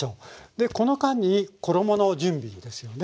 でこの間に衣の準備ですよね。